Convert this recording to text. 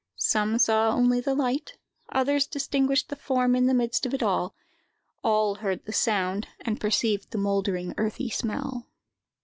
Some saw only the light; others distinguished the form in the midst of it; all heard the sound, and perceived the mouldering earthy smell.